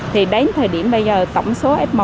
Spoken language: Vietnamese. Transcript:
thì đến thời điểm bây giờ tổng số f một